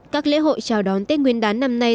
các lễ hội chào đón tết nguyên đán năm nay